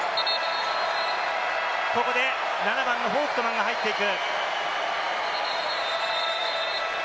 ここで、７番のフォウクトマンが入っていく。